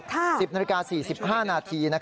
๑๐นาฬิกา๔๕นาที